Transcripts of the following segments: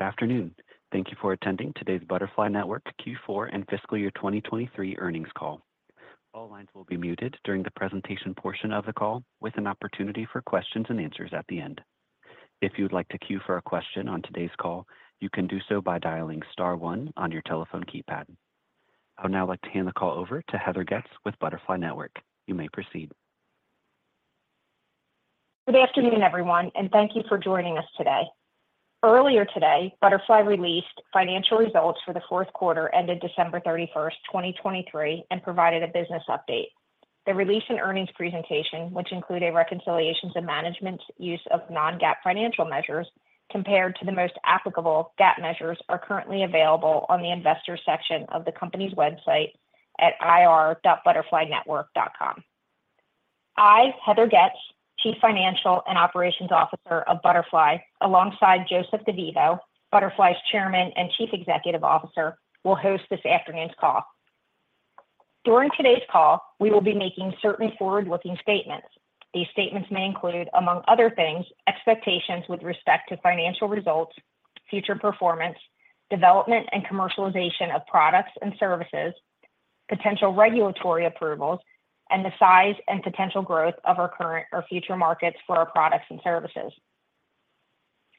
Good afternoon. Thank you for attending today's Butterfly Network Q4 and Fiscal Year 2023 earnings call. All lines will be muted during the presentation portion of the call, with an opportunity for questions and answers at the end. If you would like to cue for a question on today's call, you can do so by dialing star one on your telephone keypad. I would now like to hand the call over to Heather Getz with Butterfly Network. You may proceed. Good afternoon, everyone, and thank you for joining us today. Earlier today, Butterfly released financial results for the fourth quarter ended December 31st, 2023, and provided a business update. The release and earnings presentation, which include reconciliations and management's use of non-GAAP financial measures compared to the most applicable GAAP measures, are currently available on the investor section of the company's website at ir.butterflynetwork.com. I, Heather Getz, Chief Financial and Operations Officer of Butterfly, alongside Joseph DeVivo, Butterfly's Chairman and Chief Executive Officer, will host this afternoon's call. During today's call, we will be making certain forward-looking statements. These statements may include, among other things, expectations with respect to financial results, future performance, development and commercialization of products and services, potential regulatory approvals, and the size and potential growth of our current or future markets for our products and services.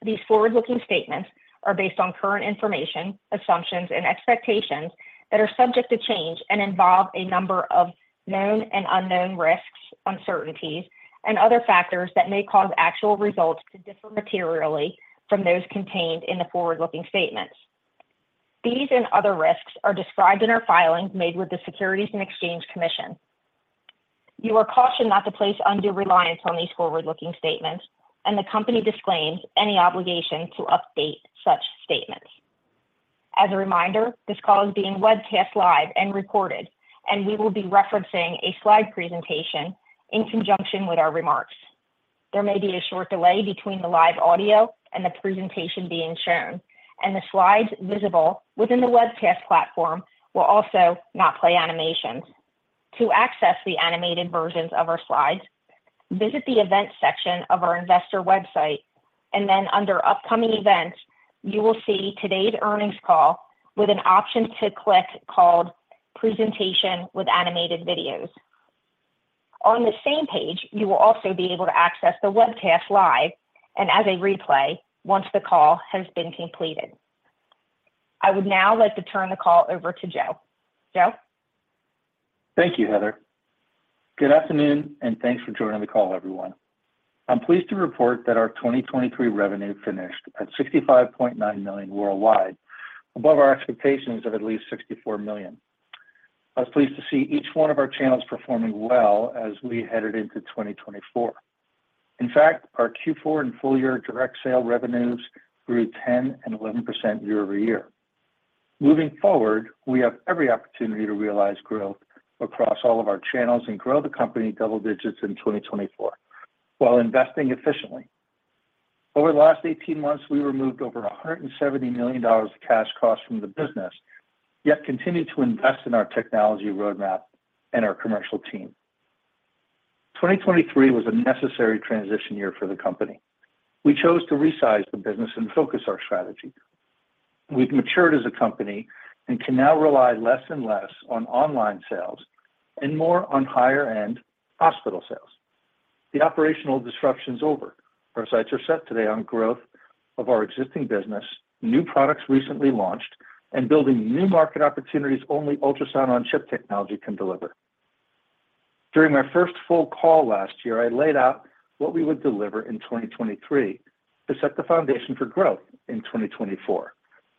These forward-looking statements are based on current information, assumptions, and expectations that are subject to change and involve a number of known and unknown risks, uncertainties, and other factors that may cause actual results to differ materially from those contained in the forward-looking statements. These and other risks are described in our filings made with the Securities and Exchange Commission. You are cautioned not to place undue reliance on these forward-looking statements, and the company disclaims any obligation to update such statements. As a reminder, this call is being webcast live and recorded, and we will be referencing a slide presentation in conjunction with our remarks. There may be a short delay between the live audio and the presentation being shown, and the slides visible within the webcast platform will also not play animations. To access the animated versions of our slides, visit the events section of our investor website, and then under Upcoming Events, you will see today's earnings call with an option to click called Presentation with Animated Videos. On the same page, you will also be able to access the webcast live and as a replay once the call has been completed. I would now like to turn the call over to Joe. Joe? Thank you, Heather. Good afternoon and thanks for joining the call, everyone. I'm pleased to report that our 2023 revenue finished at $65.9 million worldwide, above our expectations of at least $64 million. I was pleased to see each one of our channels performing well as we headed into 2024. In fact, our Q4 and full-year direct sale revenues grew 10% and 11% year-over-year. Moving forward, we have every opportunity to realize growth across all of our channels and grow the company double digits in 2024 while investing efficiently. Over the last 18 months, we removed over $170 million of cash costs from the business, yet continue to invest in our technology roadmap and our commercial team. 2023 was a necessary transition year for the company. We chose to resize the business and focus our strategy. We've matured as a company and can now rely less and less on online sales and more on higher-end hospital sales. The operational disruption is over. Our sights are set today on growth of our existing business, new products recently launched, and building new market opportunities only Ultrasound-on-Chip technology can deliver. During my first full call last year, I laid out what we would deliver in 2023 to set the foundation for growth in 2024.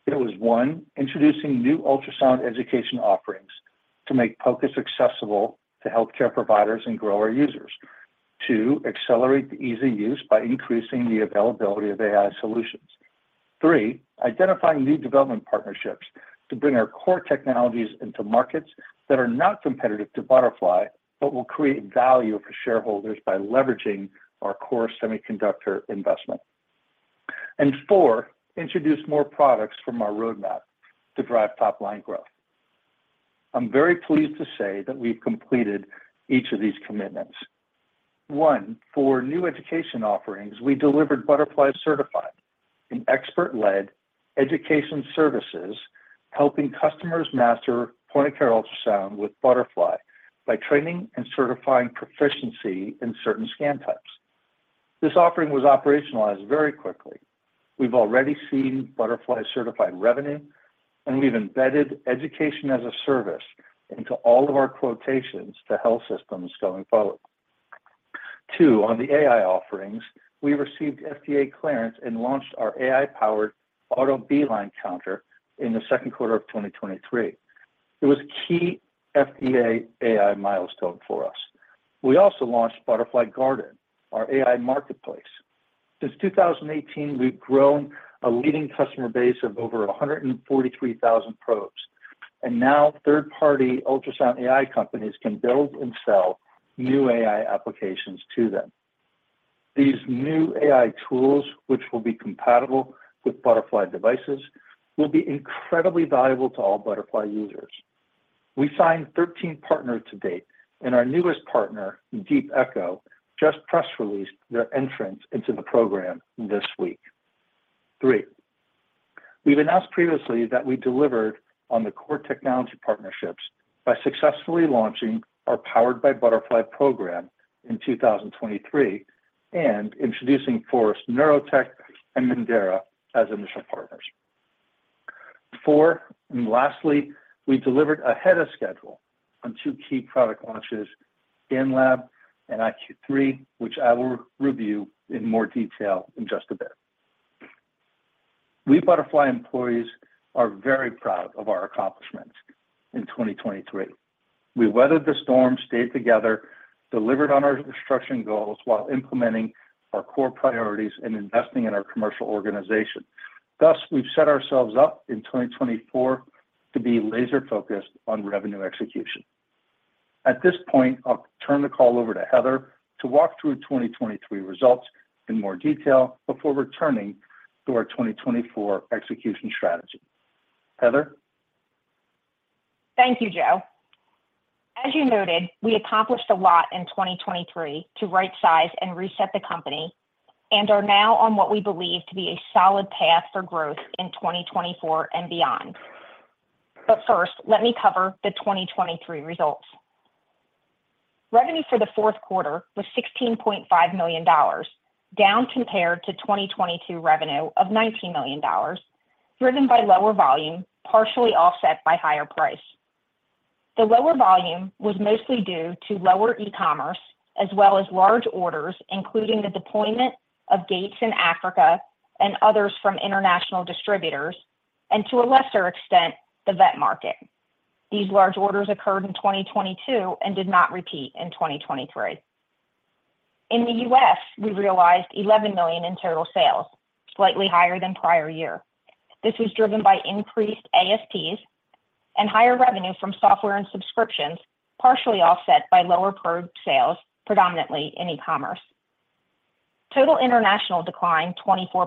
It was, 1, introducing new ultrasound education offerings to make POCUS accessible to healthcare providers and grow our users. 2, accelerate the easy use by increasing the availability of AI solutions. 3, identify new development partnerships to bring our core technologies into markets that are not competitive to Butterfly but will create value for shareholders by leveraging our core semiconductor investment. And 4, introduce more products from our roadmap to drive top-line growth. I'm very pleased to say that we've completed each of these commitments. One, for new education offerings, we delivered Butterfly Certified, an expert-led education services helping customers master point-of-care ultrasound with Butterfly by training and certifying proficiency in certain scan types. This offering was operationalized very quickly. We've already seen Butterfly Certified revenue, and we've embedded education as a service into all of our quotations to health systems going forward. Two, on the AI offerings, we received FDA clearance and launched our AI-powered Auto B-line Counter in the second quarter of 2023. It was a key FDA AI milestone for us. We also launched Butterfly Garden, our AI marketplace. Since 2018, we've grown a leading customer base of over 143,000 probes, and now third-party ultrasound AI companies can build and sell new AI applications to them. These new AI tools, which will be compatible with Butterfly devices, will be incredibly valuable to all Butterfly users. We signed 13 partners to date, and our newest partner, DeepEcho, just press-released their entrance into the program this week. 3, we've announced previously that we delivered on the core technology partnerships by successfully launching our Powered by Butterfly program in 2023 and introducing Forest Neurotech and Mendaera as initial partners. 4, and lastly, we delivered ahead of schedule on two key product launches, ScanLab and iQ3, which I will review in more detail in just a bit. We Butterfly employees are very proud of our accomplishments in 2023. We weathered the storm, stayed together, delivered on our construction goals while implementing our core priorities and investing in our commercial organization. Thus, we've set ourselves up in 2024 to be laser-focused on revenue execution. At this point, I'll turn the call over to Heather to walk through 2023 results in more detail before returning to our 2024 execution strategy. Heather? Thank you, Joe. As you noted, we accomplished a lot in 2023 to right-size and reset the company and are now on what we believe to be a solid path for growth in 2024 and beyond. But first, let me cover the 2023 results. Revenue for the fourth quarter was $16.5 million, down compared to 2022 revenue of $19 million, driven by lower volume, partially offset by higher price. The lower volume was mostly due to lower e-commerce as well as large orders, including the deployment of Gates in Africa and others from international distributors, and to a lesser extent, the vet market. These large orders occurred in 2022 and did not repeat in 2023. In the U.S., we realized $11 million in total sales, slightly higher than prior year. This was driven by increased ASPs and higher revenue from software and subscriptions, partially offset by lower probe sales, predominantly in e-commerce. Total international declined 24%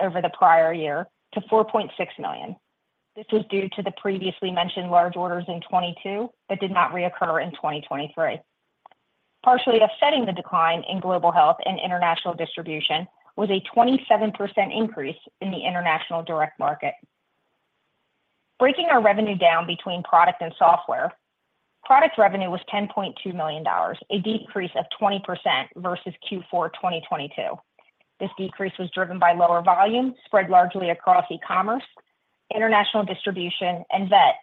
over the prior year to $4.6 million. This was due to the previously mentioned large orders in 2022 that did not reoccur in 2023. Partially offsetting the decline in global health and international distribution was a 27% increase in the international direct market. Breaking our revenue down between product and software, product revenue was $10.2 million, a decrease of 20% versus Q4 2022. This decrease was driven by lower volume, spread largely across e-commerce, international distribution, and vet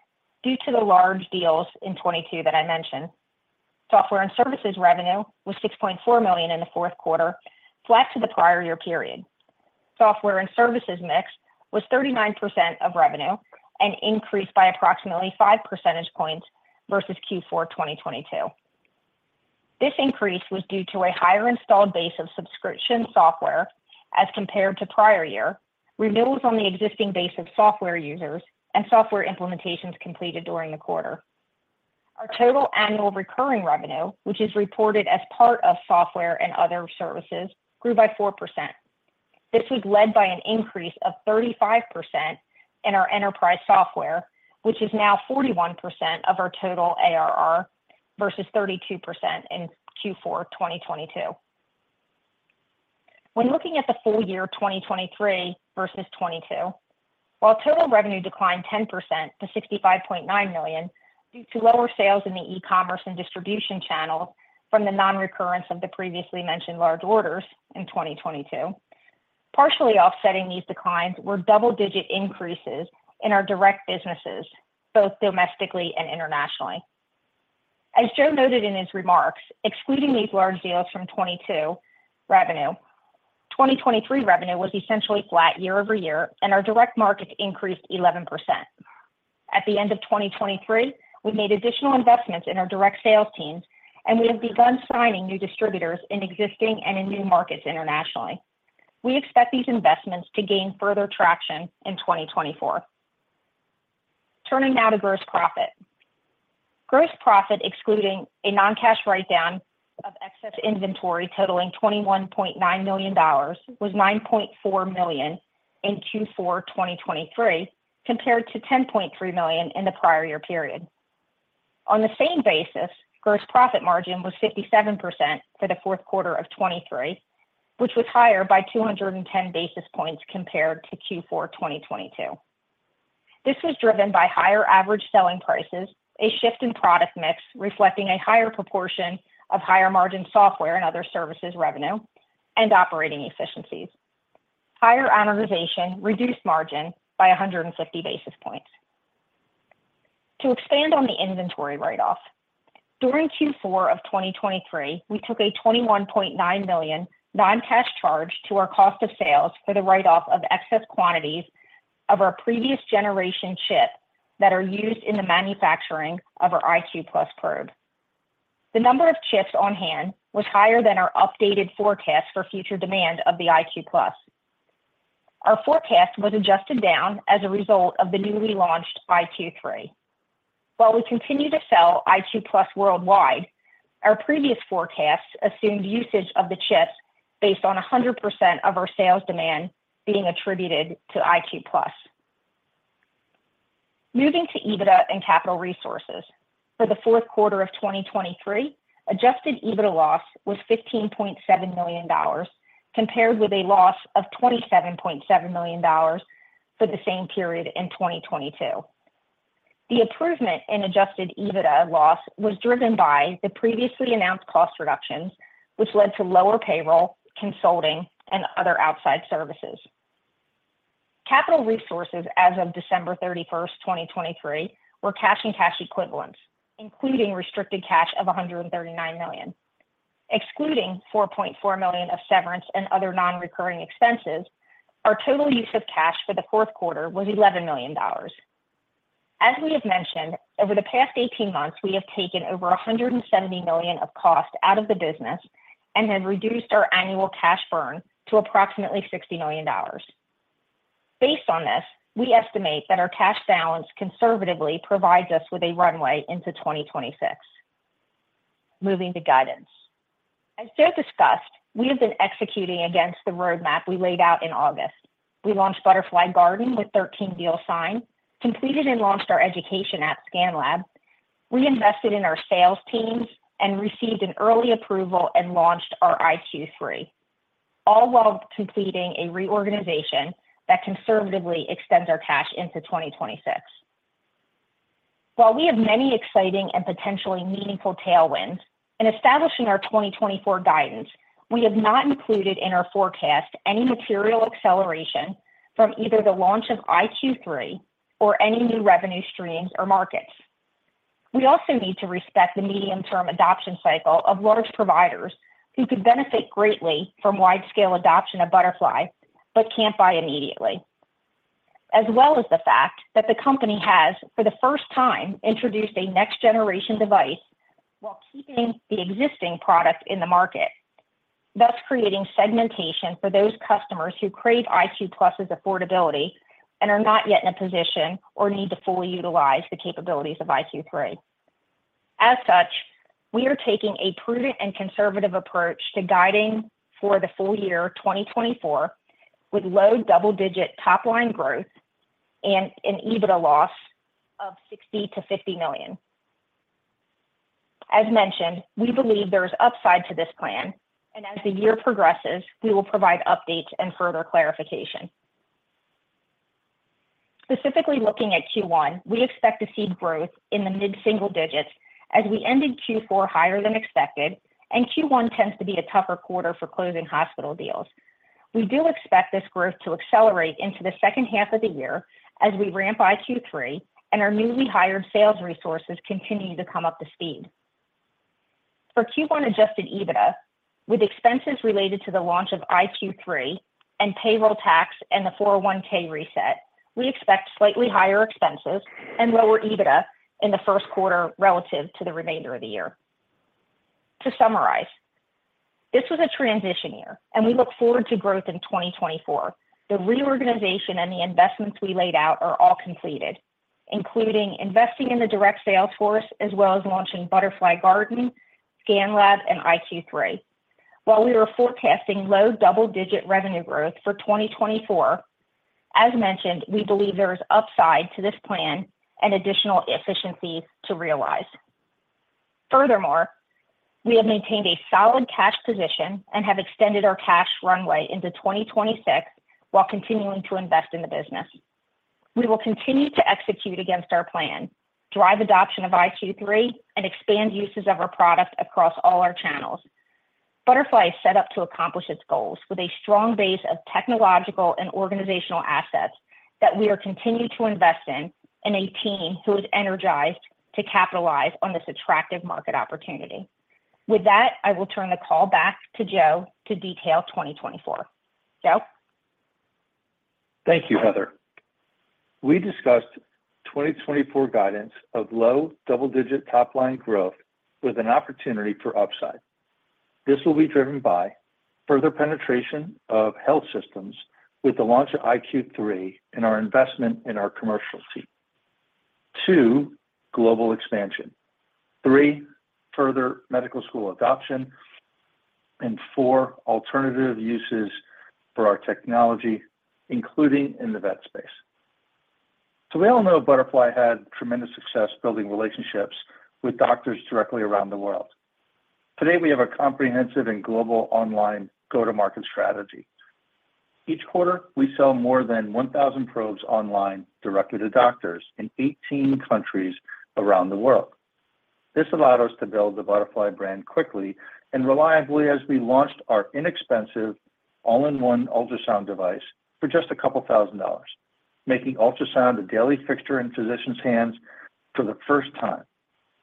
due to the large deals in 2022 that I mentioned. Software and services revenue was $6.4 million in the fourth quarter, flat to the prior year period. Software and services mix was 39% of revenue, an increase by approximately 5 percentage points versus Q4 2022. This increase was due to a higher installed base of subscription software as compared to prior year, renewals on the existing base of software users, and software implementations completed during the quarter. Our total annual recurring revenue, which is reported as part of software and other services, grew by 4%. This was led by an increase of 35% in our enterprise software, which is now 41% of our total ARR versus 32% in Q4 2022. When looking at the full year 2023 versus 2022, while total revenue declined 10% to $65.9 million due to lower sales in the e-commerce and distribution channels from the non-recurrence of the previously mentioned large orders in 2022, partially offsetting these declines were double-digit increases in our direct businesses, both domestically and internationally. As Joe noted in his remarks, excluding these large deals from 2022 revenue, 2023 revenue was essentially flat year over year, and our direct market increased 11%. At the end of 2023, we made additional investments in our direct sales teams, and we have begun signing new distributors in existing and in new markets internationally. We expect these investments to gain further traction in 2024. Turning now to gross profit. Gross profit, excluding a non-cash write-down of excess inventory totaling $21.9 million, was $9.4 million in Q4 2023 compared to $10.3 million in the prior year period. On the same basis, gross profit margin was 57% for the fourth quarter of 2023, which was higher by 210 basis points compared to Q4 2022. This was driven by higher average selling prices, a shift in product mix reflecting a higher proportion of higher-margin software and other services revenue, and operating efficiencies. Higher amortization reduced margin by 150 basis points. To expand on the inventory write-off, during Q4 of 2023, we took a $21.9 million non-cash charge to our cost of sales for the write-off of excess quantities of our previous generation chip that are used in the manufacturing of our iQ+ probe. The number of chips on hand was higher than our updated forecast for future demand of the iQ+. Our forecast was adjusted down as a result of the newly launched iQ3. While we continue to sell iQ+ worldwide, our previous forecasts assumed usage of the chips based on 100% of our sales demand being attributed to iQ+. Moving to EBITDA and capital resources. For the fourth quarter of 2023, adjusted EBITDA loss was $15.7 million compared with a loss of $27.7 million for the same period in 2022. The improvement in adjusted EBITDA loss was driven by the previously announced cost reductions, which led to lower payroll, consulting, and other outside services. Capital resources as of December 31st, 2023, were cash and cash equivalents, including restricted cash of $139 million. Excluding $4.4 million of severance and other non-recurring expenses, our total use of cash for the fourth quarter was $11 million. As we have mentioned, over the past 18 months, we have taken over $170 million of cost out of the business and have reduced our annual cash burn to approximately $60 million. Based on this, we estimate that our cash balance conservatively provides us with a runway into 2026. Moving to guidance. As Joe discussed, we have been executing against the roadmap we laid out in August. We launched Butterfly Garden with 13 deals signed, completed and launched our education app, ScanLab. We invested in our sales teams and received an early approval and launched our iQ3, all while completing a reorganization that conservatively extends our cash into 2026. While we have many exciting and potentially meaningful tailwinds in establishing our 2024 guidance, we have not included in our forecast any material acceleration from either the launch of iQ3 or any new revenue streams or markets. We also need to respect the medium-term adoption cycle of large providers who could benefit greatly from widescale adoption of Butterfly but can't buy immediately, as well as the fact that the company has, for the first time, introduced a next-generation device while keeping the existing product in the market, thus creating segmentation for those customers who crave iQ+'s affordability and are not yet in a position or need to fully utilize the capabilities of iQ3. As such, we are taking a prudent and conservative approach to guiding for the full year 2024 with low double-digit top-line growth and an EBITDA loss of $60 million to $50 million. As mentioned, we believe there is upside to this plan, and as the year progresses, we will provide updates and further clarification. Specifically looking at Q1, we expect to see growth in the mid-single digits as we ended Q4 higher than expected, and Q1 tends to be a tougher quarter for closing hospital deals. We do expect this growth to accelerate into the second half of the year as we ramp iQ3 and our newly hired sales resources continue to come up to speed. For Q1 adjusted EBITDA, with expenses related to the launch of iQ3 and payroll tax and the 401(k) reset, we expect slightly higher expenses and lower EBITDA in the first quarter relative to the remainder of the year. To summarize, this was a transition year, and we look forward to growth in 2024. The reorganization and the investments we laid out are all completed, including investing in the direct sales force as well as launching Butterfly Garden, ScanLab, and iQ3. While we were forecasting low double-digit revenue growth for 2024, as mentioned, we believe there is upside to this plan and additional efficiencies to realize. Furthermore, we have maintained a solid cash position and have extended our cash runway into 2026 while continuing to invest in the business. We will continue to execute against our plan, drive adoption of iQ3, and expand uses of our product across all our channels. Butterfly is set up to accomplish its goals with a strong base of technological and organizational assets that we are continuing to invest in, and a team who is energized to capitalize on this attractive market opportunity. With that, I will turn the call back to Joe to detail 2024. Joe? Thank you, Heather. We discussed 2024 guidance of low double-digit top-line growth with an opportunity for upside. This will be driven by further penetration of health systems with the launch of iQ3 and our investment in our commercial team. Two, global expansion. Three, further medical school adoption. And four, alternative uses for our technology, including in the vet space. So we all know Butterfly had tremendous success building relationships with doctors directly around the world. Today, we have a comprehensive and global online go-to-market strategy. Each quarter, we sell more than 1,000 probes online directed to doctors in 18 countries around the world. This allowed us to build the Butterfly brand quickly and reliably as we launched our inexpensive all-in-one ultrasound device for just $2,000, making ultrasound a daily fixture in physicians' hands for the first time.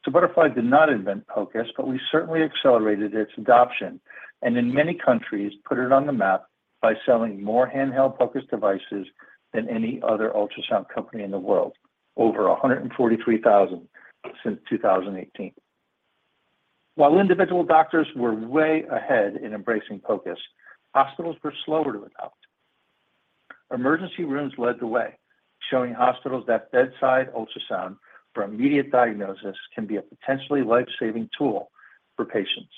So Butterfly did not invent POCUS, but we certainly accelerated its adoption and, in many countries, put it on the map by selling more handheld POCUS devices than any other ultrasound company in the world, over 143,000 since 2018. While individual doctors were way ahead in embracing POCUS, hospitals were slower to adopt. Emergency rooms led the way, showing hospitals that bedside ultrasound for immediate diagnosis can be a potentially lifesaving tool for patients.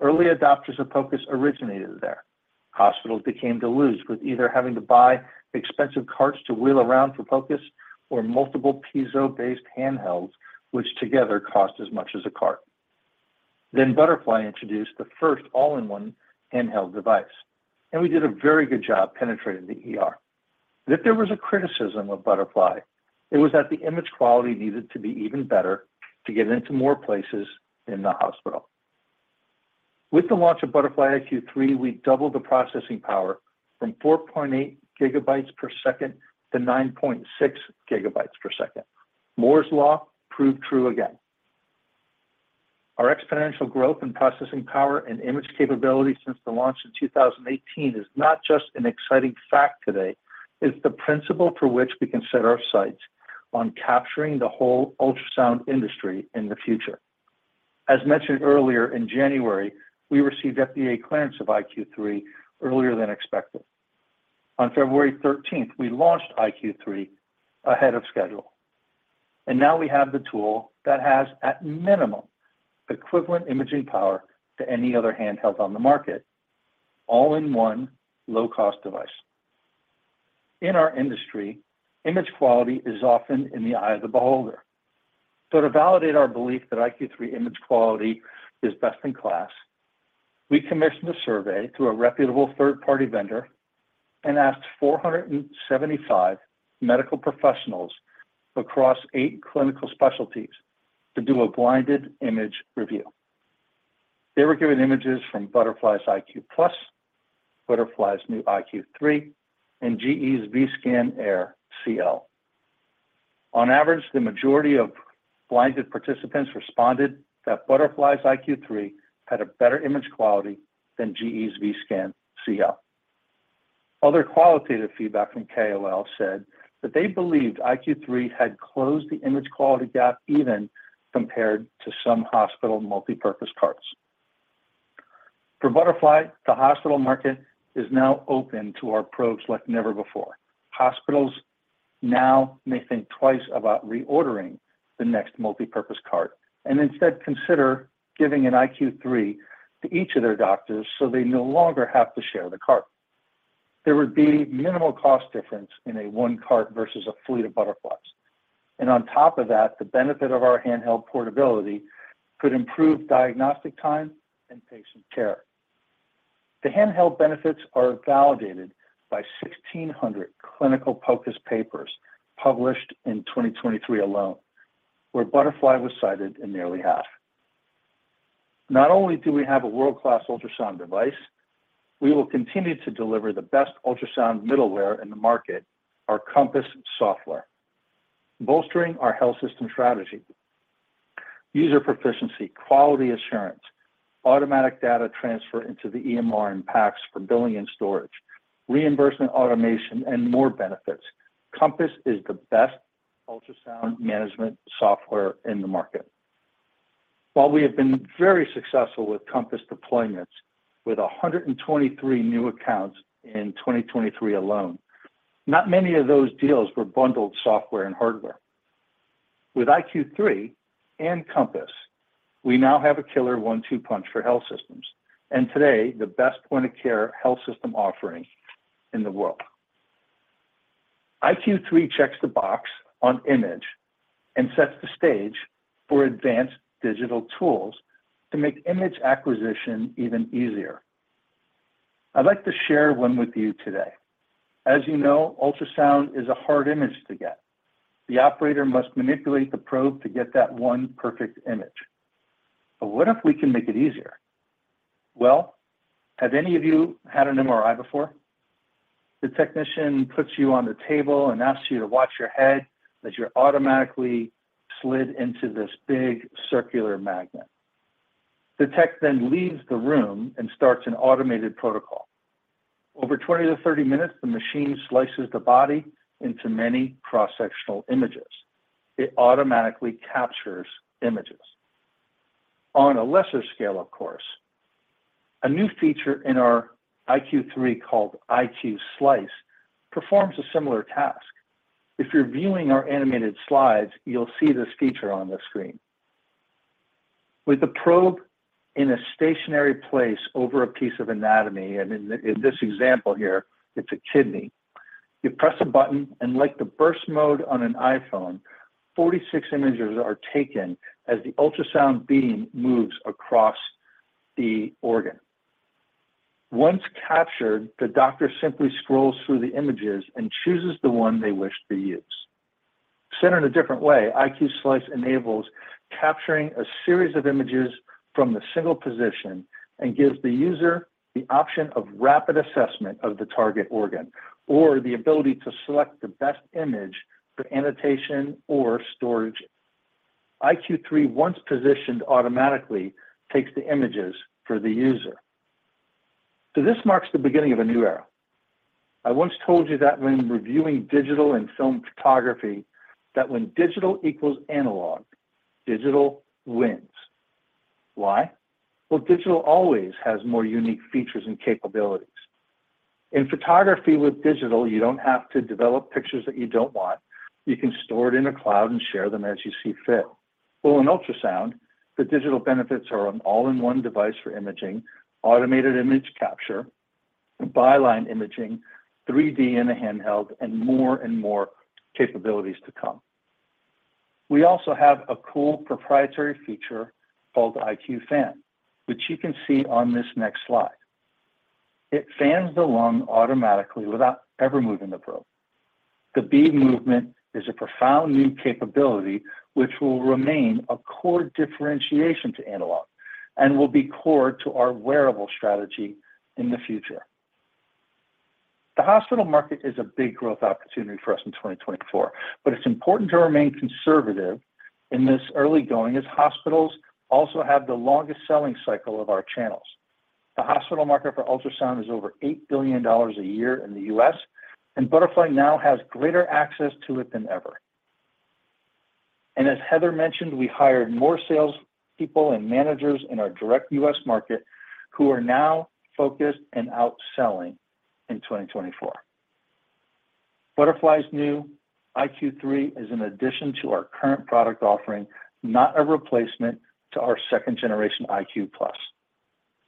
Early adopters of POCUS originated there. Hospitals became deluged with either having to buy expensive carts to wheel around for POCUS or multiple piezo-based handhelds, which together cost as much as a cart. Then Butterfly introduced the first all-in-one handheld device, and we did a very good job penetrating the field. If there was a criticism of Butterfly, it was that the image quality needed to be even better to get into more places in the hospital. With the launch of Butterfly iQ3, we doubled the processing power from 4.8 GB/s to 9.6 GB/s. Moore's Law proved true again. Our exponential growth in processing power and image capability since the launch in 2018 is not just an exciting fact today. It's the principle for which we can set our sights on capturing the whole ultrasound industry in the future. As mentioned earlier, in January, we received FDA clearance of iQ3 earlier than expected. On February 13th, we launched iQ3 ahead of schedule. Now we have the tool that has, at minimum, equivalent imaging power to any other handheld on the market, all-in-one, low-cost device. In our industry, image quality is often in the eye of the beholder. To validate our belief that iQ3 image quality is best in class, we commissioned a survey through a reputable third-party vendor and asked 475 medical professionals across eight clinical specialties to do a blinded image review. They were given images from Butterfly's iQ+, Butterfly's new iQ3, and GE's Vscan Air CL. On average, the majority of blinded participants responded that Butterfly's iQ3 had a better image quality than GE's Vscan CL. Other qualitative feedback from KOL said that they believed iQ3 had closed the image quality gap even compared to some hospital multipurpose carts. For Butterfly, the hospital market is now open to our probes like never before. Hospitals now may think twice about reordering the next multipurpose cart and instead consider giving an iQ3 to each of their doctors so they no longer have to share the cart. There would be minimal cost difference in a one cart versus a fleet of butterflies. And on top of that, the benefit of our handheld portability could improve diagnostic time and patient care. The handheld benefits are validated by 1,600 clinical POCUS papers published in 2023 alone, where Butterfly was cited in nearly half. Not only do we have a world-class ultrasound device, we will continue to deliver the best ultrasound middleware in the market, our Compass software, bolstering our health system strategy. User proficiency, quality assurance, automatic data transfer into the EMR and PACS for billing and storage, reimbursement automation, and more benefits. Compass is the best ultrasound management software in the market. While we have been very successful with Compass deployments, with 123 new accounts in 2023 alone, not many of those deals were bundled software and hardware. With iQ3 and Compass, we now have a killer one-two punch for health systems and, today, the best point-of-care health system offering in the world. iQ3 checks the box on image and sets the stage for advanced digital tools to make image acquisition even easier. I'd like to share one with you today. As you know, ultrasound is a hard image to get. The operator must manipulate the probe to get that one perfect image. But what if we can make it easier? Well, have any of you had an MRI before? The technician puts you on the table and asks you to watch your head as you're automatically slid into this big circular magnet. The tech then leaves the room and starts an automated protocol. Over 20-30 minutes, the machine slices the body into many cross-sectional images. It automatically captures images. On a lesser scale, of course, a new feature in our iQ3 called iQ Slice performs a similar task. If you're viewing our animated slides, you'll see this feature on the screen. With the probe in a stationary place over a piece of anatomy and, in this example here, it's a kidney, you press a button and, like the burst mode on an iPhone, 46 images are taken as the ultrasound beam moves across the organ. Once captured, the doctor simply scrolls through the images and chooses the one they wish to use. Said in a different way, iQ Slice enables capturing a series of images from the single position and gives the user the option of rapid assessment of the target organ or the ability to select the best image for annotation or storage. iQ3, once positioned automatically, takes the images for the user. This marks the beginning of a new era. I once told you that when reviewing digital and film photography, that when digital equals analog, digital wins. Why? Well, digital always has more unique features and capabilities. In photography with digital, you don't have to develop pictures that you don't want. You can store it in a cloud and share them as you see fit. Well, in ultrasound, the digital benefits are an all-in-one device for imaging, automated image capture, B-line imaging, 3D in a handheld, and more and more capabilities to come. We also have a cool proprietary feature called iQ Fan, which you can see on this next slide. It fans the lung automatically without ever moving the probe. The beam movement is a profound new capability which will remain a core differentiation to analog and will be core to our wearable strategy in the future. The hospital market is a big growth opportunity for us in 2024, but it's important to remain conservative in this early going as hospitals also have the longest selling cycle of our channels. The hospital market for ultrasound is over $8 billion a year in the U.S., and Butterfly now has greater access to it than ever. As Heather mentioned, we hired more salespeople and managers in our direct U.S. market who are now focused and outselling in 2024. Butterfly's new iQ3 is, in addition to our current product offering, not a replacement to our second-generation iQ+.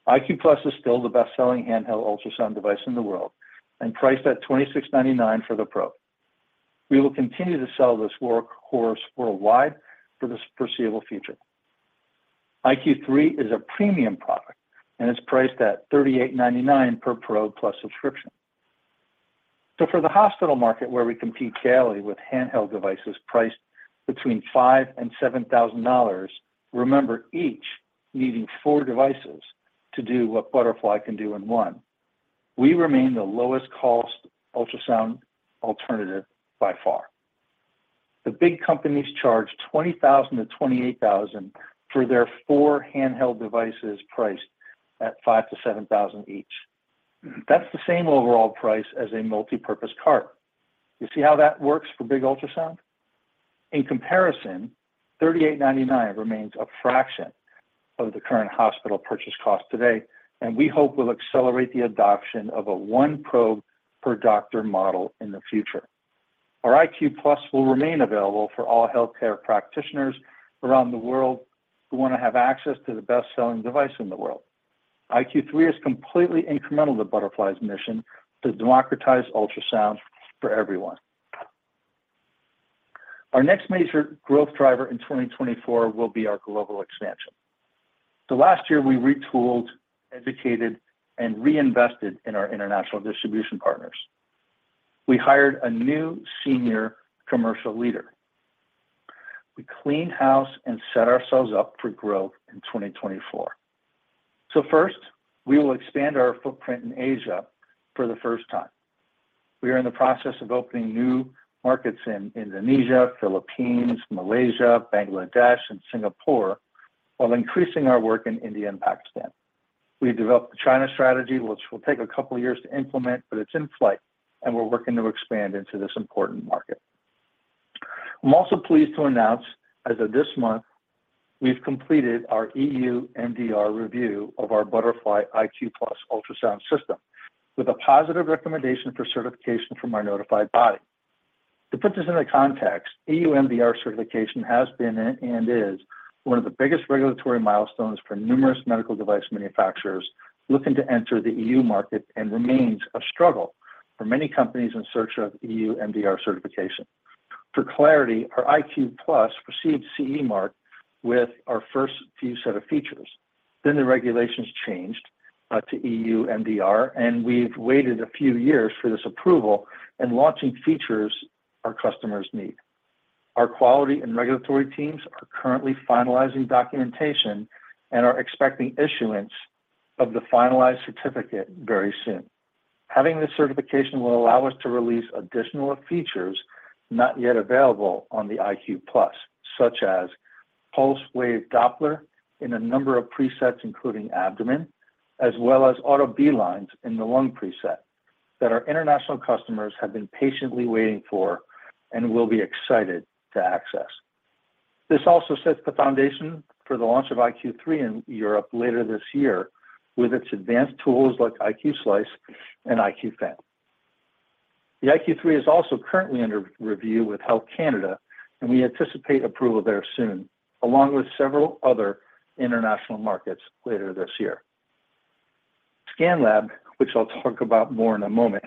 iQ+ is still the best-selling handheld ultrasound device in the world and priced at $26.99 for the probe. We will continue to sell this workhorse worldwide for the foreseeable future. iQ3 is a premium product, and it's priced at $38.99 per probe plus subscription. So for the hospital market, where we compete daily with handheld devices priced between $5,000 and $7,000, remember, each needing four devices to do what Butterfly can do in one. We remain the lowest-cost ultrasound alternative by far. The big companies charge $20,000 to $28,000 for their four handheld devices priced at $5,000 to $7,000 each. That's the same overall price as a multipurpose cart. You see how that works for big ultrasound? In comparison, $3,899 remains a fraction of the current hospital purchase cost today, and we hope will accelerate the adoption of a one-probe-per-doctor model in the future. Our iQ+ will remain available for all healthcare practitioners around the world who want to have access to the best-selling device in the world. iQ3 is completely incremental to Butterfly's mission to democratize ultrasound for everyone. Our next major growth driver in 2024 will be our global expansion. So last year, we retooled, educated, and reinvested in our international distribution partners. We hired a new senior commercial leader. We cleaned house and set ourselves up for growth in 2024. So first, we will expand our footprint in Asia for the first time. We are in the process of opening new markets in Indonesia, Philippines, Malaysia, Bangladesh, and Singapore while increasing our work in India and Pakistan. We developed the China strategy, which will take a couple of years to implement, but it's in flight, and we're working to expand into this important market. I'm also pleased to announce, as of this month, we've completed our EU MDR review of our Butterfly iQ+ ultrasound system with a positive recommendation for certification from our notified body. To put this into context, EU MDR certification has been and is one of the biggest regulatory milestones for numerous medical device manufacturers looking to enter the EU market and remains a struggle for many companies in search of EU MDR certification. For clarity, our iQ+ received CE Mark with our first few set of features. Then the regulations changed to EU MDR, and we've waited a few years for this approval and launching features our customers need. Our quality and regulatory teams are currently finalizing documentation and are expecting issuance of the finalized certificate very soon. Having this certification will allow us to release additional features not yet available on the iQ+, such as Pulse Wave Doppler in a number of presets, including abdomen, as well as Auto B-lines in the lung preset that our international customers have been patiently waiting for and will be excited to access. This also sets the foundation for the launch of iQ3 in Europe later this year with its advanced tools like iQ Slice and iQ Fan. The iQ3 is also currently under review with Health Canada, and we anticipate approval there soon, along with several other international markets later this year. ScanLab, which I'll talk about more in a moment,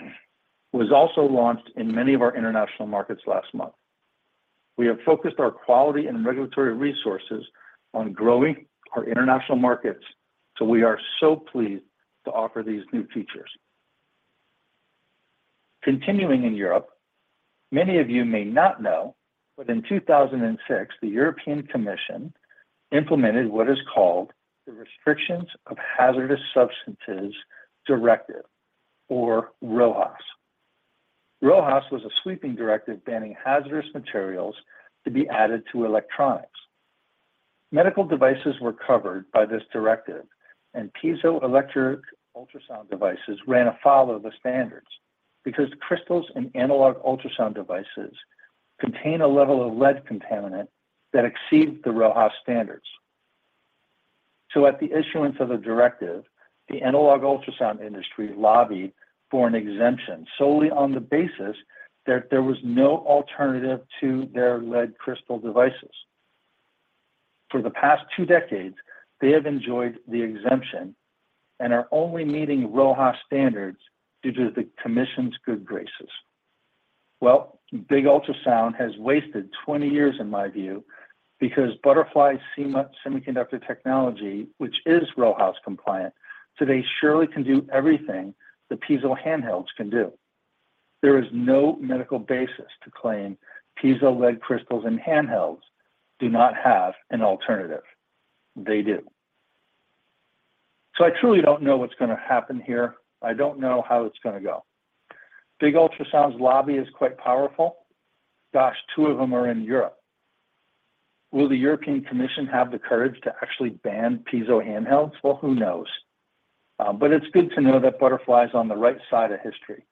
was also launched in many of our international markets last month. We have focused our quality and regulatory resources on growing our international markets, so we are so pleased to offer these new features. Continuing in Europe, many of you may not know, but in 2006, the European Commission implemented what is called the Restriction of Hazardous Substances Directive, or RoHS. RoHS was a sweeping directive banning hazardous materials to be added to electronics. Medical devices were covered by this directive, and piezoelectric ultrasound devices ran afoul of the standards because crystals in analog ultrasound devices contain a level of lead contaminant that exceeds the RoHS standards. So at the issuance of the directive, the analog ultrasound industry lobbied for an exemption solely on the basis that there was no alternative to their lead crystal devices. For the past two decades, they have enjoyed the exemption and are only meeting RoHS standards due to the Commission's good graces. Well, big ultrasound has wasted 20 years, in my view, because Butterfly's semiconductor technology, which is RoHS compliant, today surely can do everything the piezo handhelds can do. There is no medical basis to claim piezo lead crystals in handhelds do not have an alternative. They do. So I truly don't know what's going to happen here. I don't know how it's going to go. Big ultrasound's lobby is quite powerful. Gosh, 2 of them are in Europe. Will the European Commission have the courage to actually ban piezo handhelds? Well, who knows? But it's good to know that Butterfly's on the right side of history.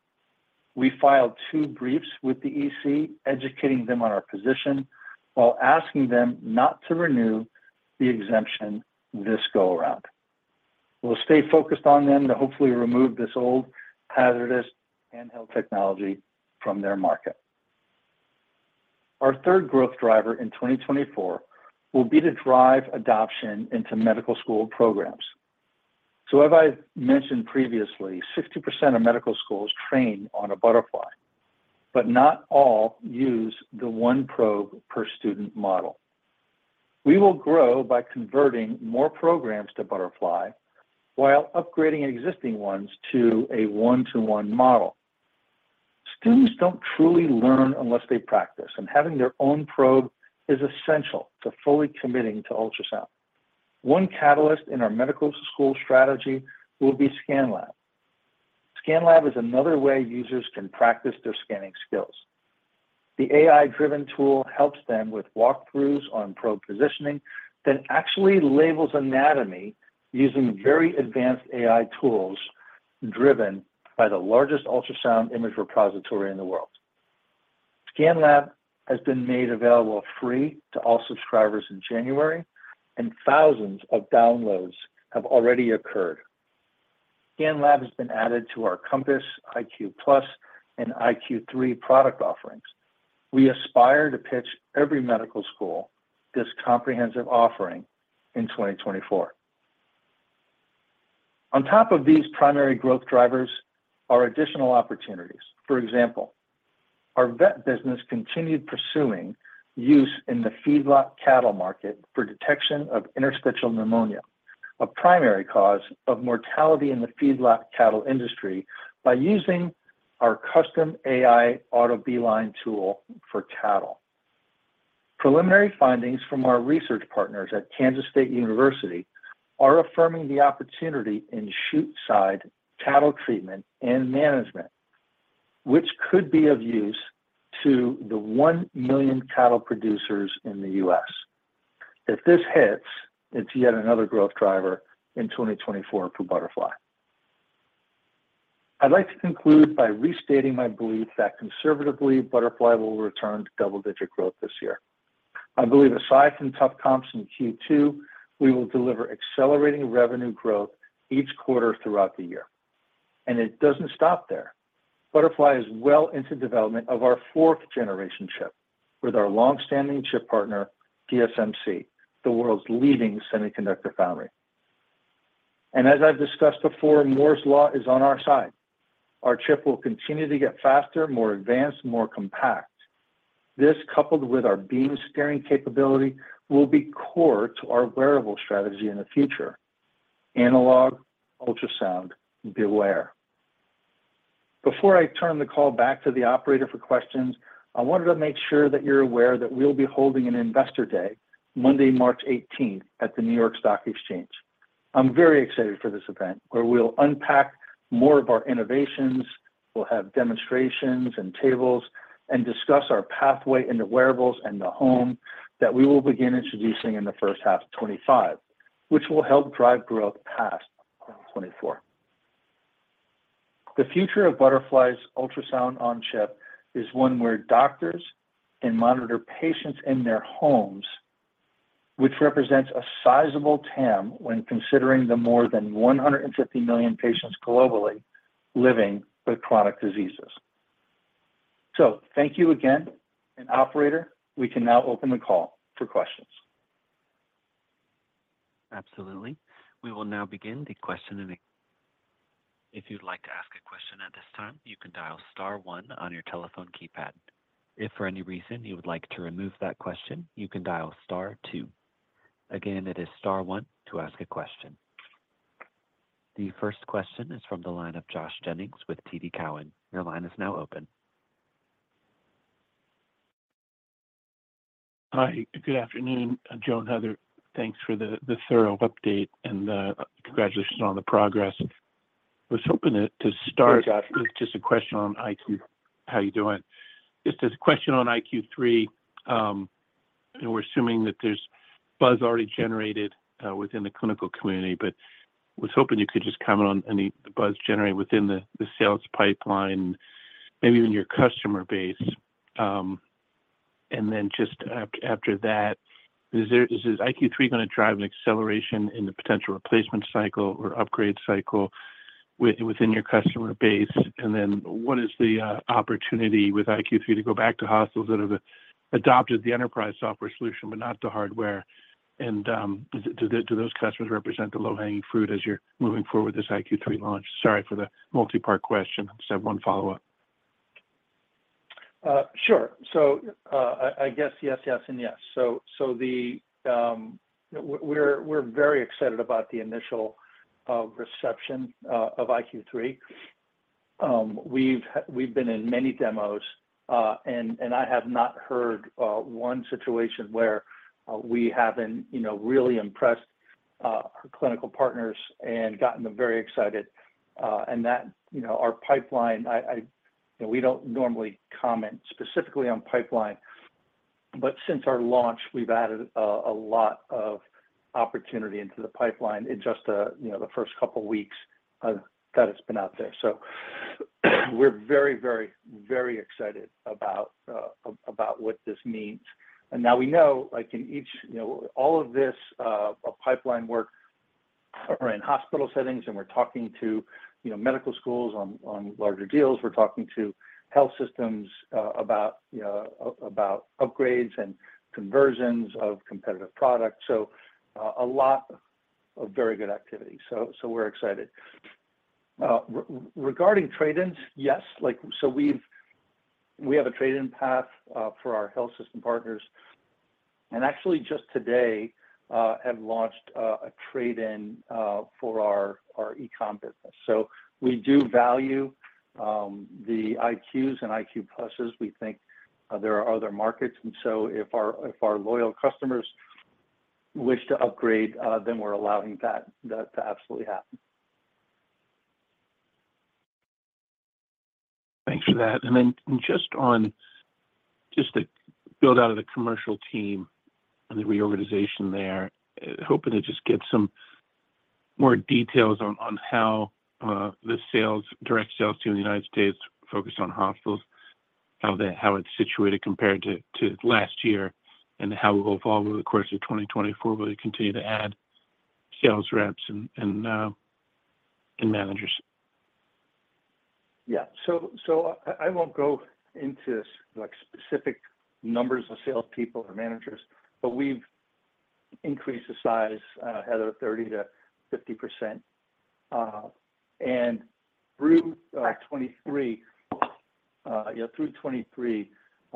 We filed 2 briefs with the EC educating them on our position while asking them not to renew the exemption this go-around. We'll stay focused on them to hopefully remove this old hazardous handheld technology from their market. Our third growth driver in 2024 will be to drive adoption into medical school programs. As I mentioned previously, 60% of medical schools train on a Butterfly, but not all use the one probe per student model. We will grow by converting more programs to Butterfly while upgrading existing ones to a one-to-one model. Students don't truly learn unless they practice, and having their own probe is essential to fully committing to ultrasound. One catalyst in our medical school strategy will be ScanLab. ScanLab is another way users can practice their scanning skills. The AI-driven tool helps them with walkthroughs on probe positioning, then actually labels anatomy using very advanced AI tools driven by the largest ultrasound image repository in the world. ScanLab has been made available free to all subscribers in January, and thousands of downloads have already occurred. ScanLab has been added to our Compass, iQ+, and iQ3 product offerings. We aspire to pitch every medical school this comprehensive offering in 2024. On top of these primary growth drivers are additional opportunities. For example, our vet business continued pursuing use in the feedlot cattle market for detection of interstitial pneumonia, a primary cause of mortality in the feedlot cattle industry, by using our custom AI Auto B-line tool for cattle. Preliminary findings from our research partners at Kansas State University are affirming the opportunity in chuteside cattle treatment and management, which could be of use to the 1 million cattle producers in the U.S. If this hits, it's yet another growth driver in 2024 for Butterfly. I'd like to conclude by restating my belief that conservatively, Butterfly will return to double-digit growth this year. I believe, aside from tough comps in Q2, we will deliver accelerating revenue growth each quarter throughout the year. It doesn't stop there. Butterfly is well into development of our fourth-generation chip with our longstanding chip partner, TSMC, the world's leading semiconductor foundry. As I've discussed before, Moore's Law is on our side. Our chip will continue to get faster, more advanced, more compact. This, coupled with our beam steering capability, will be core to our wearable strategy in the future: analog ultrasound beware. Before I turn the call back to the operator for questions, I wanted to make sure that you're aware that we'll be holding an Investor Day, Monday, March 18th, at the New York Stock Exchange. I'm very excited for this event where we'll unpack more of our innovations. We'll have demonstrations and tables and discuss our pathway into wearables and the home that we will begin introducing in the first half of 2025, which will help drive growth past 2024. The future of Butterfly's Ultrasound-on-Chip is one where doctors can monitor patients in their homes, which represents a sizable TAM when considering the more than 150 million patients globally living with chronic diseases. So thank you again. Operator, we can now open the call for questions. Absolutely. We will now begin the question and if you'd like to ask a question at this time, you can dial star one on your telephone keypad. If for any reason you would like to remove that question, you can dial star two. Again, it is star one to ask a question. The first question is from the line of Josh Jennings with TD Cowen. Your line is now open. Hi. Good afternoon, Joe and Heather. Thanks for the thorough update and the congratulations on the progress. I was hoping to start with just a question on iQ. How are you doing? Just a question on iQ3. We're assuming that there's buzz already generated within the clinical community, but I was hoping you could just comment on the buzz generated within the sales pipeline, maybe even your customer base. And then just after that, is iQ3 going to drive an acceleration in the potential replacement cycle or upgrade cycle within your customer base? And then what is the opportunity with iQ3 to go back to hospitals that have adopted the enterprise software solution but not the hardware? And do those customers represent the low-hanging fruit as you're moving forward with this iQ3 launch? Sorry for the multi-part question. I just have one follow-up. Sure. So I guess yes, yes, and yes. So we're very excited about the initial reception of iQ3. We've been in many demos, and I have not heard one situation where we haven't really impressed our clinical partners and gotten them very excited. And our pipeline, we don't normally comment specifically on pipeline, but since our launch, we've added a lot of opportunity into the pipeline in just the first couple of weeks that it's been out there. So we're very, very, very excited about what this means. And now we know in each all of this pipeline work are in hospital settings, and we're talking to medical schools on larger deals. We're talking to health systems about upgrades and conversions of competitive products. So a lot of very good activity. So we're excited. Regarding trade-ins, yes. So we have a trade-in path for our health system partners. And actually, just today, have launched a trade-in for our e-com business. So we do value the iQs and iQ Pluses. We think there are other markets. And so if our loyal customers wish to upgrade, then we're allowing that to absolutely happen. Thanks for that. And then just on just to build out of the commercial team and the reorganization there, hoping to just get some more details on how the direct sales team in the United States focused on hospitals, how it's situated compared to last year, and how it will evolve over the course of 2024, where they continue to add sales reps and managers. Yeah. So I won't go into specific numbers of salespeople or managers, but we've increased the size, Heather, 30%-50%. And through 2023,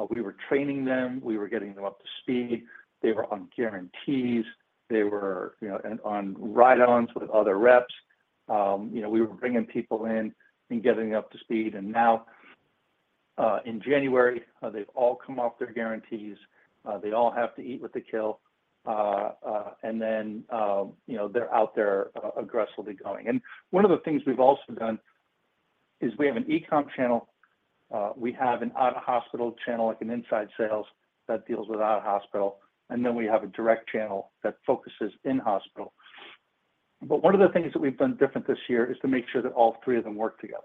we were training them. We were getting them up to speed. They were on guarantees. They were on ride-alongs with other reps. We were bringing people in and getting them up to speed. Now, in January, they've all come off their guarantees. They all have to eat what the kill. Then they're out there aggressively going. One of the things we've also done is we have an e-com channel. We have an out-of-hospital channel, like an inside sales, that deals with out-of-hospital. Then we have a direct channel that focuses in-hospital. But one of the things that we've done different this year is to make sure that all three of them work together.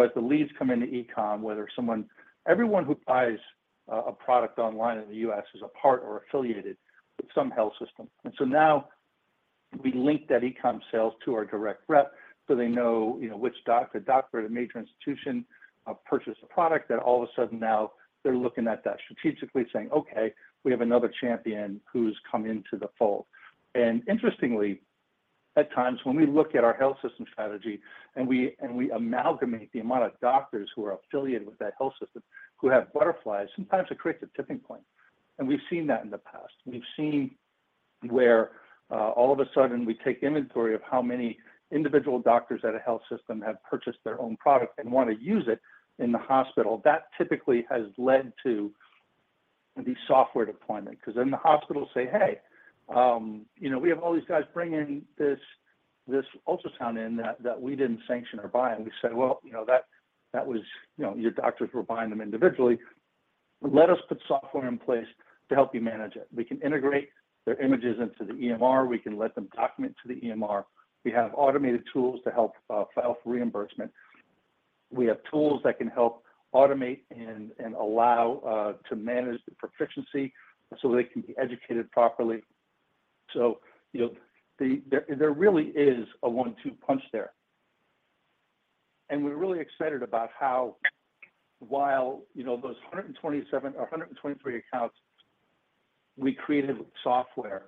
As the leads come into e-com, everyone who buys a product online in the U.S. is a part or affiliated with some health system. And so now we link that e-com sales to our direct rep so they know which doctor, doctor at a major institution, purchased the product. And all of a sudden, now they're looking at that strategically, saying, "Okay, we have another champion who's come into the fold." And interestingly, at times, when we look at our health system strategy and we amalgamate the amount of doctors who are affiliated with that health system who have Butterflies, sometimes it creates a tipping point. And we've seen that in the past. We've seen where all of a sudden, we take inventory of how many individual doctors at a health system have purchased their own product and want to use it in the hospital. That typically has led to the software deployment because then the hospitals say, "Hey, we have all these guys bring in this ultrasound in that we didn't sanction or buy." And we say, "Well, that was your doctors were buying them individually. Let us put software in place to help you manage it. We can integrate their images into the EMR. We can let them document to the EMR. We have automated tools to help file for reimbursement. We have tools that can help automate and allow to manage the proficiency so they can be educated properly." So there really is a one-two punch there. And we're really excited about how, while those 127 or 123 accounts we created with software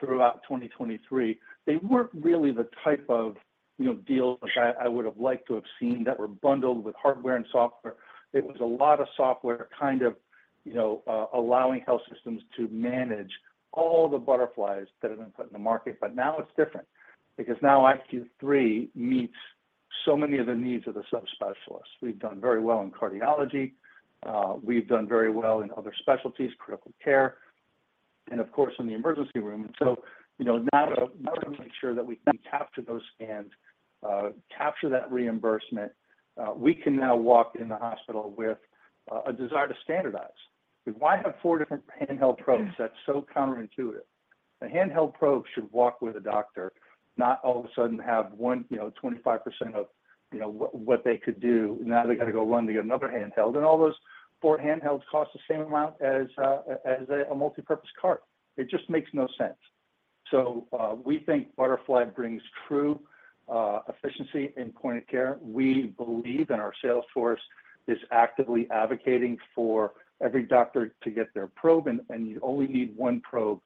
throughout 2023, they weren't really the type of deals that I would have liked to have seen that were bundled with hardware and software. It was a lot of software kind of allowing health systems to manage all the Butterflies that have been put in the market. But now it's different because now iQ3 meets so many of the needs of the subspecialists. We've done very well in cardiology. We've done very well in other specialties, critical care, and of course, in the emergency room. And so now to make sure that we can capture those scans, capture that reimbursement, we can now walk in the hospital with a desire to standardize. Because why have four different handheld probes? That's so counterintuitive. A handheld probe should walk with a doctor, not all of a sudden have 25% of what they could do. Now they got to go run. They got another handheld. And all those four handhelds cost the same amount as a multipurpose cart. It just makes no sense. So we think Butterfly brings true efficiency and point of care. We believe in our sales force is actively advocating for every doctor to get their probe, and you only need one probe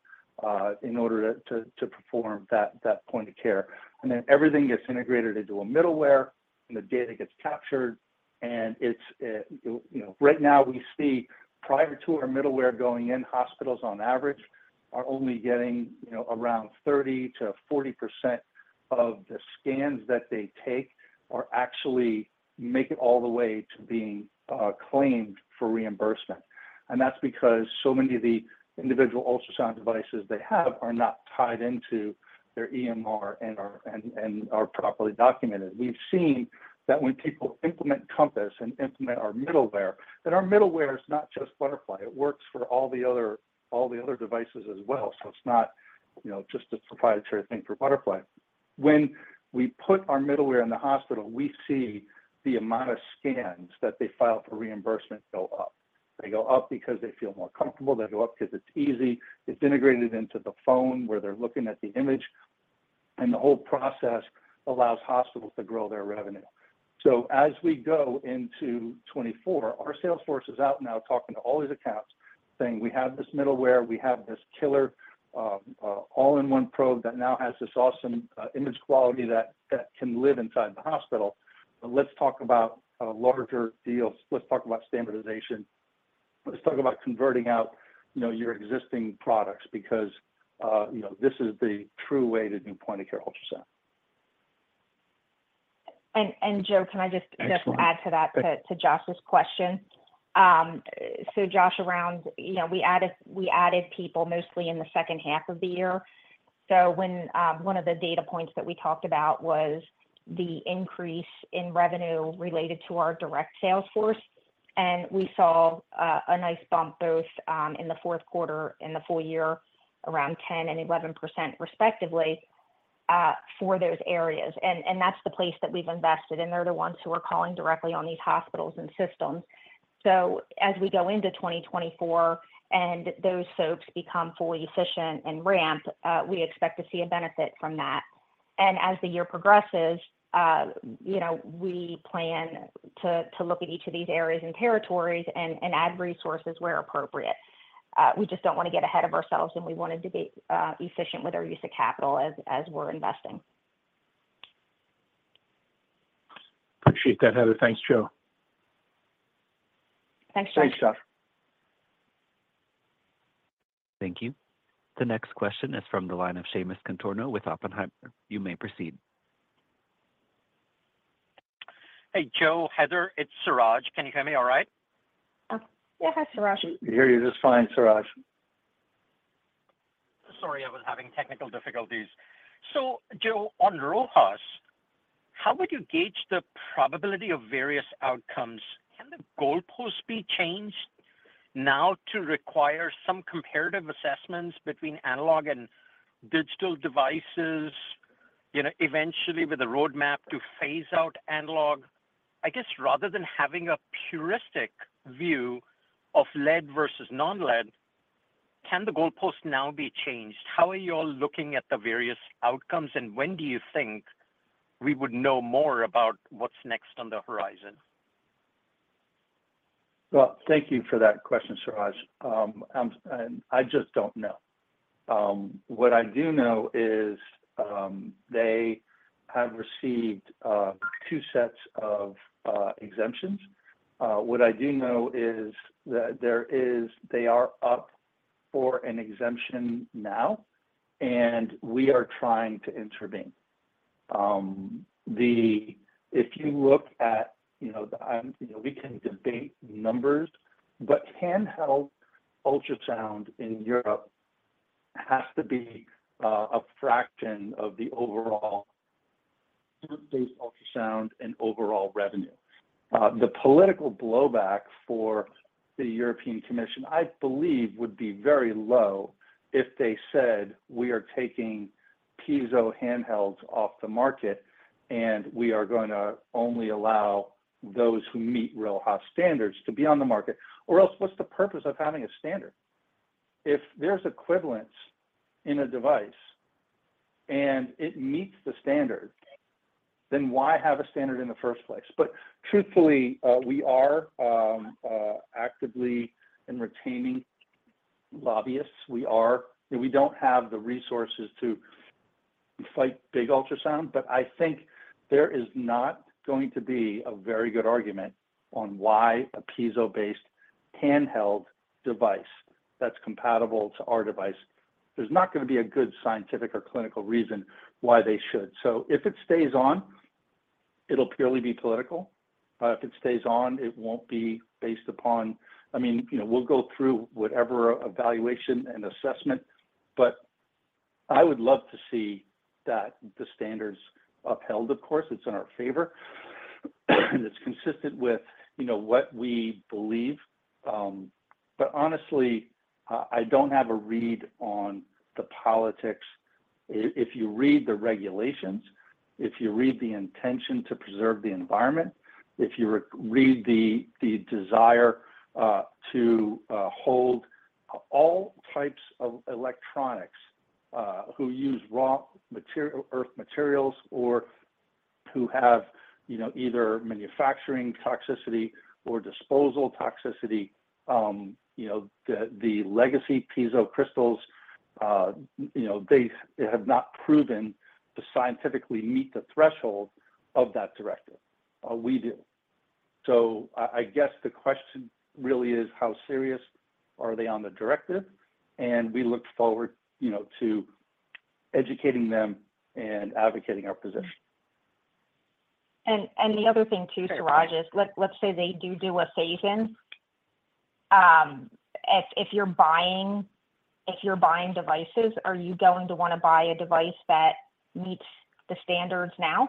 in order to perform that point of care. Then everything gets integrated into a middleware, and the data gets captured. Right now, we see, prior to our middleware going in, hospitals, on average, are only getting around 30%-40% of the scans that they take or actually make it all the way to being claimed for reimbursement. That's because so many of the individual ultrasound devices they have are not tied into their EMR and are properly documented. We've seen that when people implement Compass and implement our middleware, that our middleware is not just Butterfly. It works for all the other devices as well. So it's not just a proprietary thing for Butterfly. When we put our middleware in the hospital, we see the amount of scans that they file for reimbursement go up. They go up because they feel more comfortable. They go up because it's easy. It's integrated into the phone where they're looking at the image. And the whole process allows hospitals to grow their revenue. So as we go into 2024, our sales force is out now talking to all these accounts, saying, "We have this middleware. We have this killer all-in-one probe that now has this awesome image quality that can live inside the hospital. But let's talk about a larger deal. Let's talk about standardization. Let's talk about converting out your existing products because this is the true way to do point-of-care ultrasound." And Joe, can I just add to that, to Josh's question? So Josh, we added people mostly in the second half of the year. One of the data points that we talked about was the increase in revenue related to our direct sales force. We saw a nice bump both in the fourth quarter and the full year, around 10% and 11%, respectively, for those areas. That's the place that we've invested. They're the ones who are calling directly on these hospitals and systems. As we go into 2024 and those folks become fully efficient and ramp, we expect to see a benefit from that. As the year progresses, we plan to look at each of these areas and territories and add resources where appropriate. We just don't want to get ahead of ourselves, and we wanted to be efficient with our use of capital as we're investing. Appreciate that, Heather. Thanks, Joe. Thanks, Josh. Thanks, Josh. Thank you. The next question is from the line of Seamus Contorno with Oppenheimer. You may proceed. Hey, Joe. Heather, it's Suraj. Can you hear me all right? Yeah. Hi, Suraj. I can hear you just fine, Suraj. Sorry I was having technical difficulties. So Joe, on RoHS, how would you gauge the probability of various outcomes? Can the goalpost be changed now to require some comparative assessments between analog and digital devices, eventually with a roadmap to phase out analog? I guess rather than having a puristic view of lead versus non-lead, can the goalpost now be changed? How are you all looking at the various outcomes, and when do you think we would know more about what's next on the horizon? Well, thank you for that question, Suraj. I just don't know. What I do know is they have received two sets of exemptions. What I do know is that they are up for an exemption now, and we are trying to intervene. If you look at we can debate numbers, but handheld ultrasound in Europe has to be a fraction of the overall cart-based ultrasound and overall revenue. The political blowback for the European Commission, I believe, would be very low if they said, "We are taking piezo handhelds off the market, and we are going to only allow those who meet RoHS standards to be on the market." Or else, what's the purpose of having a standard? If there's equivalence in a device and it meets the standard, then why have a standard in the first place? But truthfully, we are actively retaining lobbyists. We don't have the resources to fight big ultrasound. But I think there is not going to be a very good argument on why a piezo-based handheld device that's compatible to our device, there's not going to be a good scientific or clinical reason why they should. So if it stays on, it'll purely be political. If it stays on, it won't be based upon I mean, we'll go through whatever evaluation and assessment. But I would love to see that the standards upheld, of course. It's in our favor. It's consistent with what we believe. But honestly, I don't have a read on the politics. If you read the regulations, if you read the intention to preserve the environment, if you read the desire to hold all types of electronics who use rare earth materials or who have either manufacturing toxicity or disposal toxicity, the legacy piezo crystals, they have not proven to scientifically meet the threshold of that directive. We do. So I guess the question really is, how serious are they on the directive? And the other thing, too, Seamus, is let's say they do do a phase-in. If you're buying devices, are you going to want to buy a device that meets the standards now?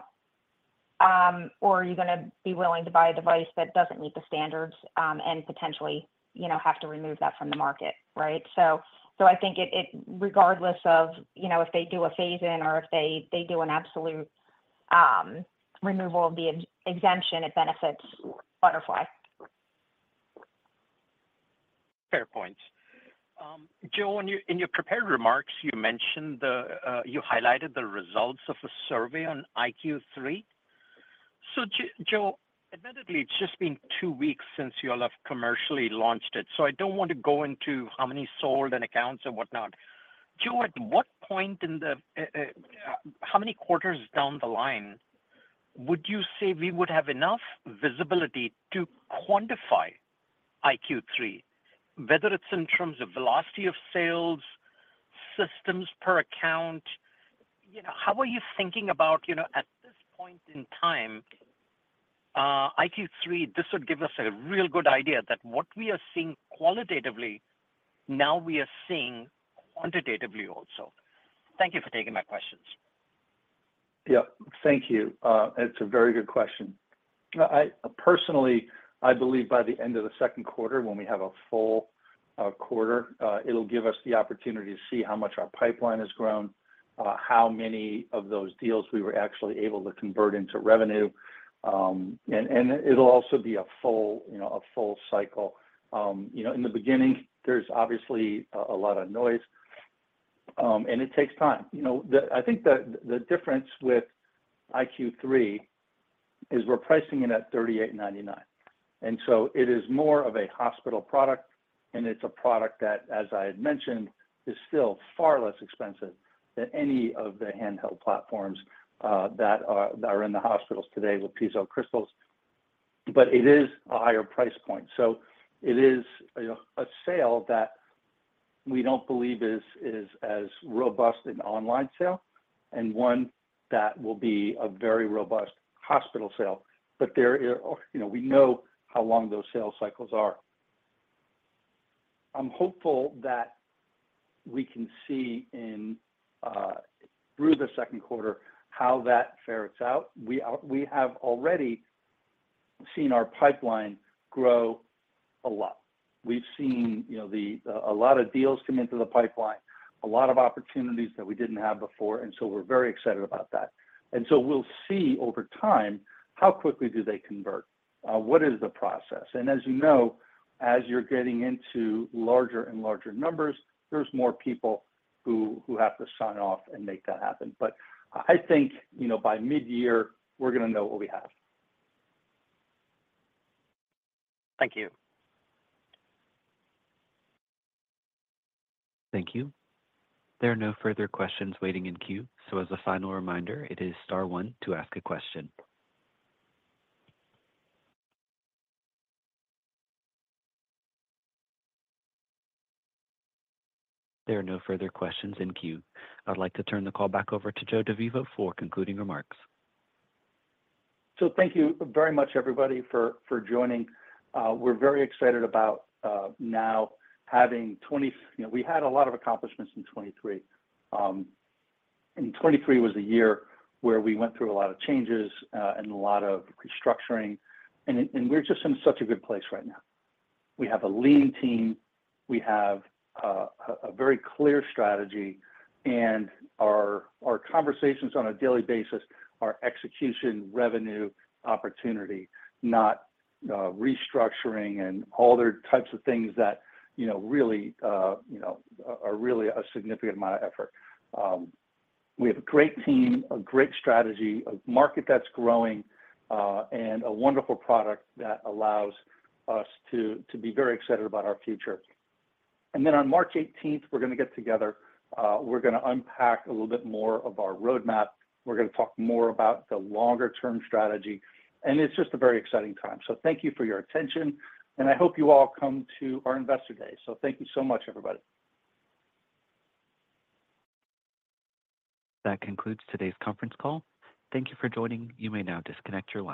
Or are you going to be willing to buy a device that doesn't meet the standards and potentially have to remove that from the market, right? So I think regardless of if they do a phase-in or if they do an absolute removal of the exemption, it benefits Butterfly. Fair points. Joe, in your prepared remarks, you highlighted the results of a survey on iQ3. So Joe, admittedly, it's just been two weeks since you all have commercially launched it. So I don't want to go into how many sold and accounts and whatnot. Joe, at what point in the how many quarters down the line would you say we would have enough visibility to quantify iQ3, whether it's in terms of velocity of sales, systems per account? How are you thinking about, at this point in time, iQ3, this would give us a real good idea that what we are seeing qualitatively, now we are seeing quantitatively also? Thank you for taking my questions. Yeah. Thank you. It's a very good question. Personally, I believe by the end of the second quarter, when we have a full quarter, it'll give us the opportunity to see how much our pipeline has grown, how many of those deals we were actually able to convert into revenue. It'll also be a full cycle. In the beginning, there's obviously a lot of noise. It takes time. I think the difference with iQ3 is we're pricing it at $3,899. So it is more of a hospital product. It's a product that, as I had mentioned, is still far less expensive than any of the handheld platforms that are in the hospitals today with piezo crystals. But it is a higher price point. So it is a sale that we don't believe is as robust an online sale and one that will be a very robust hospital sale. But we know how long those sales cycles are. I'm hopeful that we can see through the second quarter how that fares out. We have already seen our pipeline grow a lot. We've seen a lot of deals come into the pipeline, a lot of opportunities that we didn't have before. And so we're very excited about that. And so we'll see over time how quickly do they convert? What is the process? And as you know, as you're getting into larger and larger numbers, there's more people who have to sign off and make that happen. But I think by mid-year, we're going to know what we have. Thank you. Thank you. There are no further questions waiting in queue. So as a final reminder, it is star one to ask a question. There are no further questions in queue. I'd like to turn the call back over to Joe DeVivo for concluding remarks. So thank you very much, everybody, for joining. We're very excited about now having 20. We had a lot of accomplishments in 2023. And 2023 was a year where we went through a lot of changes and a lot of restructuring. And we're just in such a good place right now. We have a lean team. We have a very clear strategy. And our conversations on a daily basis are execution, revenue, opportunity, not restructuring, and all their types of things that really are really a significant amount of effort. We have a great team, a great strategy, a market that's growing, and a wonderful product that allows us to be very excited about our future. And then on March 18th, we're going to get together. We're going to unpack a little bit more of our roadmap. We're going to talk more about the longer-term strategy. It's just a very exciting time. Thank you for your attention. I hope you all come to our Investor Day. Thank you so much, everybody. That concludes today's conference call. Thank you for joining. You may now disconnect your line.